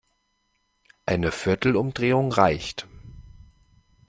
Eine viertel Umdrehung reicht.